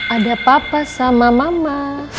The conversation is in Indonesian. ada papa sama mama